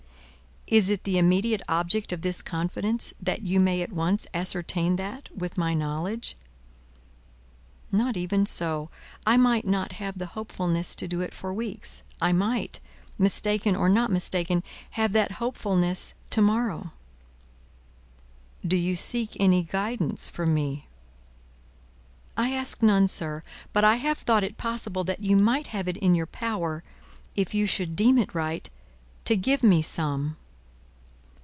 "Is it the immediate object of this confidence, that you may at once ascertain that, with my knowledge?" "Not even so. I might not have the hopefulness to do it for weeks; I might (mistaken or not mistaken) have that hopefulness to morrow." "Do you seek any guidance from me?" "I ask none, sir. But I have thought it possible that you might have it in your power, if you should deem it right, to give me some."